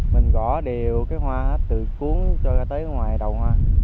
mình gõ đều cái hoa từ cuốn cho ra tới ngoài đầu hoa